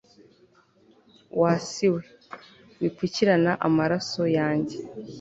wa si we, wipfukirana amaraso yanjye